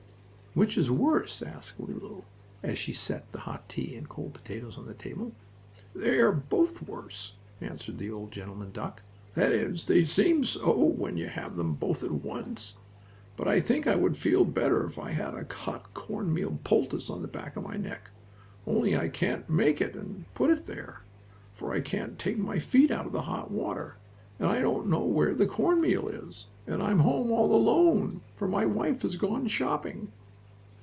"Which is worse?" asked Lulu, as she set the hot tea and the cold potatoes on the table. "They are both worse," answered the old gentleman duck. "That is, they seem so, when you have them both at once. But I think I would feel better if I had a hot cornmeal poultice on the back of my neck. Only I can't make it and put it there, for I can't take my feet out of the hot water, and I don't know where the cornmeal is, and I'm home all alone, for my wife has gone shopping."